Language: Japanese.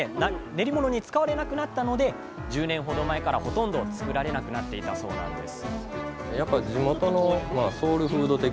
練り物に使われなくなったので１０年ほど前からほとんど作られなくなっていたそうなんです